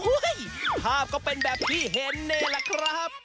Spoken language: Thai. ภาพก็เป็นแบบที่เห็นนี่แหละครับ